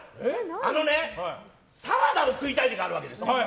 あのね、サラダを食いたい時あるわけです。